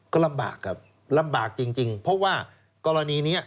ก็ลำบากครับลำบากจริงเพราะว่ากรณีนี้